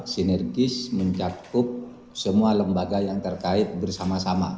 sinergis mencakup semua lembaga yang terkait bersama sama